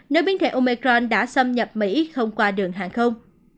nếu biến thể omecron đã xâm nhập mỹ không qua đường hàng không